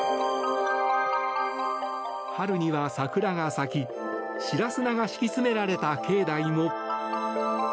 春には桜が咲き白砂が敷き詰められた境内も。